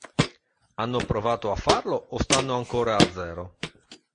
Hanno provato a farlo, o stanno ancora a zero?